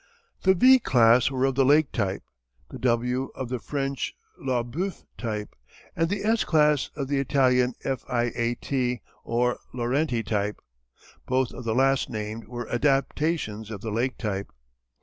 The "V" class were of the Lake type, the "W" of the French "Laubeuf" type, and the "S" class of the Italian "F. I. A. T." or Laurenti type; both of the last named were adaptations of the Lake type.